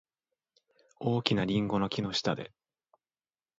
大きなリンゴの木の下で。